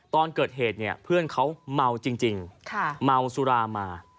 ตอนเกิดเหตุเนี่ยเพื่อนเขาเมาจริงเมาสุรามา